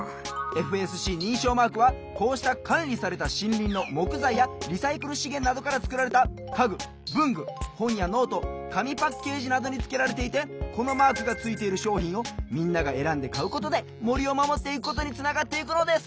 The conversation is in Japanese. ＦＳＣにんしょうマークはこうしたかんりされたしんりんのもくざいやリサイクルしげんなどからつくられたかぐぶんぐほんやノートかみパッケージなどにつけられていてこのマークがついているしょうひんをみんながえらんでかうことでもりをまもっていくことにつながっていくのです。